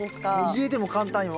家でも簡単よ。